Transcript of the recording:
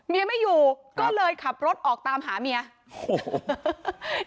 ไม่อยู่ก็เลยขับรถออกตามหาเมียโอ้โห